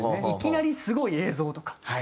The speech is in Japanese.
いきなりすごい映像とか。